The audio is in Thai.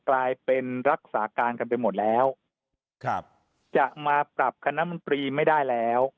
กลายเป็นรักษาการกันไปหมดแล้วครับจะมาปรับคณะมนตรีไม่ได้แล้ว